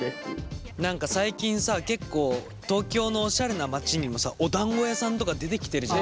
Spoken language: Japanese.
何か最近さ結構東京のおしゃれな街にもさおだんご屋さんとか出てきてるじゃん。